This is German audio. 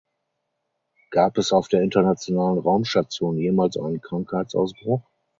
Gab es auf der internationalen Raumstation jemals einen Krankheitsausbruch?